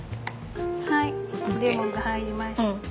はいレモンが入りました。